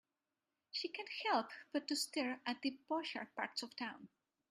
She can't help but to stare at the posher parts of town.